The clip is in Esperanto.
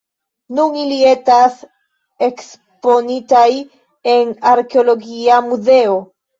Nun ili etas eksponitaj en Arkeologia Muzeo.